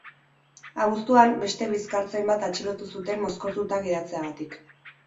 Abuztuan, beste bizkartzain bat atxilotu zuten mozkortuta gidatzegatik.